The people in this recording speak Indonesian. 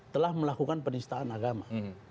telah melakukan penistaan agama